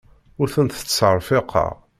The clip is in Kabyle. Ur tent-ttserfiqeɣ.